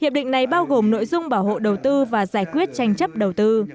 hiệp định này bao gồm nội dung bảo hộ đầu tư và giải quyết tranh chấp đầu tư